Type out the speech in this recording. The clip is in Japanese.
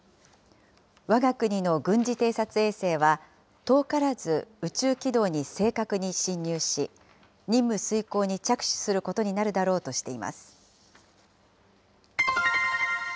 わが国の軍事偵察衛星は、遠からず宇宙軌道に正確に進入し、任務遂行に着手することになるだろうとしています。